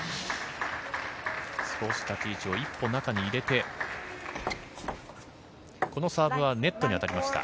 少し立ち位置を一歩、中に入れてこのサーブはネットに当たりました。